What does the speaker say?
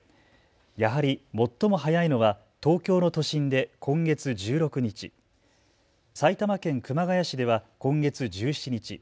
やはり最も早いのは東京の都心で今月１６日、埼玉県熊谷市では今月１７日。